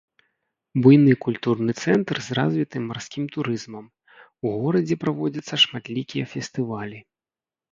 Буйны культурны цэнтр з развітым марскім турызмам, у горадзе праводзяцца шматлікія фестывалі.